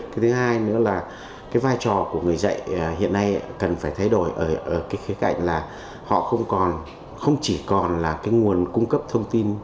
cái thứ hai nữa là cái vai trò của người dạy hiện nay cần phải thay đổi ở cái khía cạnh là họ không chỉ còn là cái nguồn cung cấp thông tin